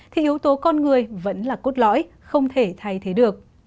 thì yếu tố con người vẫn là cốt lõi không thể thay thế được